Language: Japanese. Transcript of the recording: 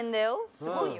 すごいよ。